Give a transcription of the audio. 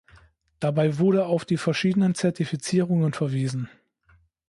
Dabei wurde auf die verschiedenen Zertifizierungen verwiesen.